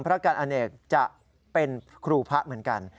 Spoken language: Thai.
พระการอเนกจะเป็นครูพระเหมือนกัน